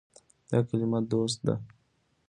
دا کلمه “دوست” ده.